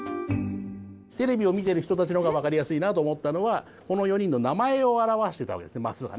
テレビを見てる人たちのほうがわかりやすいなと思ったのはこの４人の名前をあらわしてたわけですねマスがね。